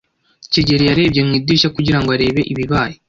kigeli yarebye mu idirishya kugira ngo arebe ibibaye.